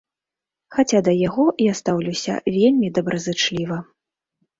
Хаця да яго я стаўлюся вельмі добразычліва.